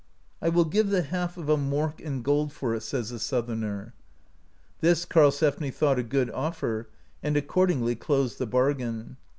"I will give the half a 'mork* in gold for it" (71), says the Southerner. This Karlsefni thought a good offer, and accordingly closed the bargain.